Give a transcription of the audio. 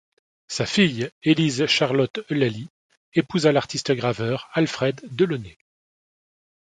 Sa fille Élise Charlotte Eulallie épousa l'artiste-graveur Alfred Delauney.